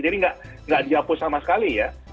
jadi tidak dihapus sama sekali ya